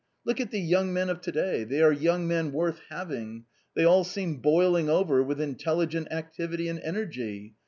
Look at the young men of to day ; they are young men worth having ; they all seem boiling over with intelligent activity and energy.